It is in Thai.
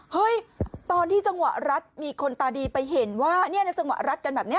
เฮ้ยตอนที่จังหวะรัดมีคนตาดีไปเห็นว่าเนี่ยในจังหวะรัดกันแบบนี้